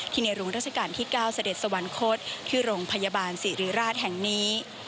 ในหลวงราชการที่๙เสด็จสวรรคตที่โรงพยาบาลศิริราชแห่งนี้